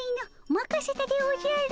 まかせたでおじゃる。